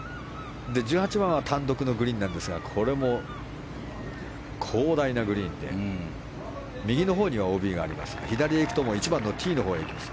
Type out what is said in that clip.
１８番は単独のグリーンなんですがこれも、広大なグリーンで右のほうにはＯＢがありますが左に行くと１番のティーのほうに行きます。